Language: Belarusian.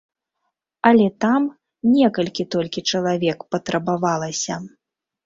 Але там некалькі толькі чалавек патрабавалася.